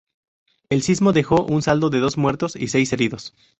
El sismo dejó un saldo de dos muertos y seis heridos.